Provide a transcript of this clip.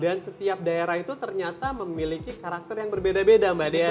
dan setiap daerah itu ternyata memiliki karakter yang berbeda beda mbak dea